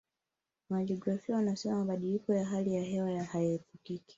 wanajiografia wanasema mabadiliko ya hali ya hewa hayaepukiki